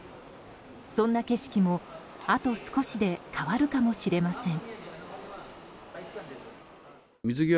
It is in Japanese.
そんな景色も、あと少しで変わるかもしれません。